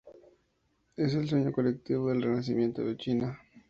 Es el sueño colectivo del renacimiento de China.